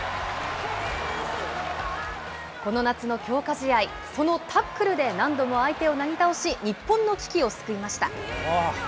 この夏の強化試合、そのタックルで何度も相手をなぎ倒し、日本の危機を救いました。